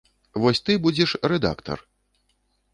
Вось ты будзеш рэдактар.